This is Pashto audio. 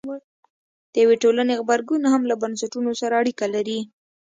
د یوې ټولنې غبرګون هم له بنسټونو سره اړیکه لري.